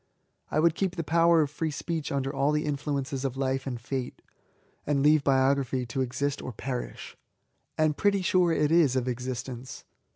I would keep die power of free speech under all the influences of life and fatcy — and leave Biography to exist or perish. And pretty sure it is of existence.